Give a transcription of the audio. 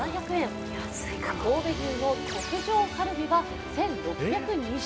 神戸牛の特上カルビは１６２０円。